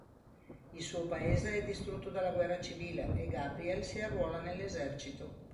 Il suo paese è distrutto dalla guerra civile, e Gabriel si arruola nell’esercito.